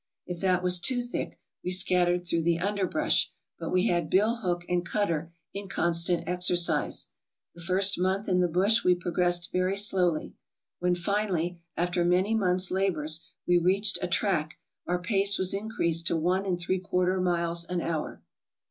If that was too thick we scattered through the underbrush, but we had bill hook and cutter in constant exercise. The first month in the bush we progressed very slowly. When finally, after many months' labors, we reached a track, our pace was in creased to one and three quarter miles an hour.